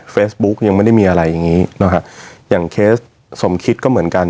เฟซบุ๊กยังไม่ได้มีอะไรอย่างงี้นะฮะอย่างเคสสมคิดก็เหมือนกัน